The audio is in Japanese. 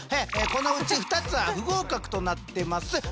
このうち２つは不合格となってますっ。